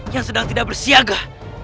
yang sedang tidak bersiaga